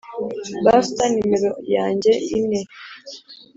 buster numero yanjye ine,